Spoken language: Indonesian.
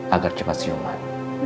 agar cepat siuman